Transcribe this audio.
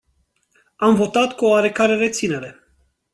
Am votat cu o oarecare reținere.